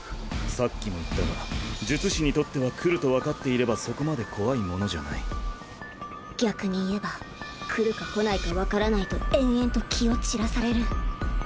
さっきも言ったが術師にとっては来ると分かっていればそこまで怖いものじゃない逆に言えば来るか来ないか分からないと延々と気を散らされる。